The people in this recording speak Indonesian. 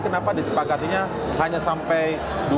kenapa disepakatinya hanya sampai dua ribu sembilan belas